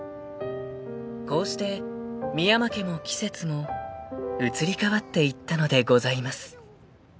［こうして深山家も季節も移り変わっていったのでございます］